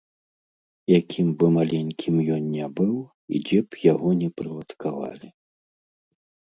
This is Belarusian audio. Якім бы маленькім ён не быў і дзе б яго не прыладкавалі.